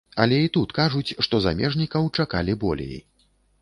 Але і тут кажуць, што замежнікаў чакалі болей.